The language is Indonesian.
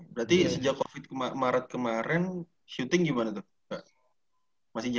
berarti sejak covid kemarin shooting gimana tuh kak masih jalan ya